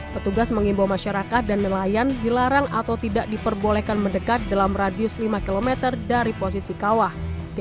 petugas mengimbau masyarakat dan nelayan dilarang atau tidak diperbolehkan mendekat dalam radius lima km dari posisi kawah